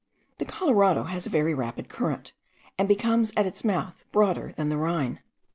The Colorado has a very rapid current, and becomes at its mouth broader than the Rhine.